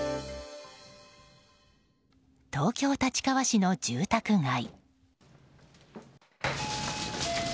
東京・立川市の住宅街。